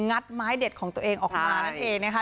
ัดไม้เด็ดของตัวเองออกมานั่นเองนะคะ